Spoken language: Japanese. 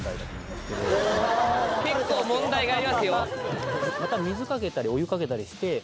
結構問題がありますよ。